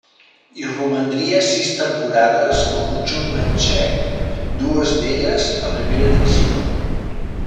Hi romandria sis temporades al conjunt manxec, dues d'elles a primera divisió.